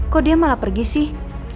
kok dia malah pergi sih